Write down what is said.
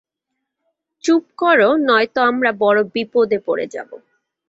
চুপ করো নয়তো আমরা বড় বিপদে পড়ে যাবো।